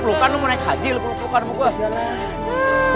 pelukan lu mau naik haji pelukan